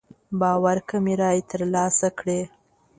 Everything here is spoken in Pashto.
باور کمې رايې تر لاسه کړې.